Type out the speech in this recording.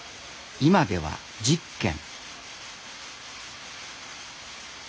今では１０軒。